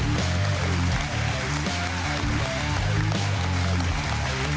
ค้นผมเลยค่ะทุกเลย